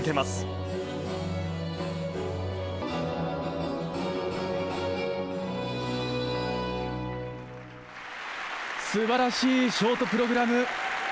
すばらしいショートプログラム！